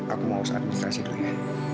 aku mau harus administrasi dulu ya